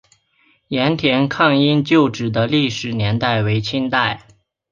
雁田抗英旧址的历史年代为清代。